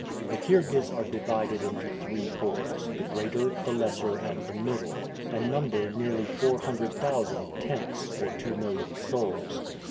The Kirghiz are divided into three hordes, the greater, the lesser, and the middle, and number nearly four hundred thousand "tents," or two million souls.